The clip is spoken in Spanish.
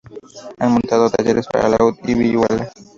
Ha montado talleres para laúd y vihuela.